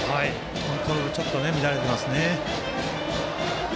コントロールがちょっと乱れていますね。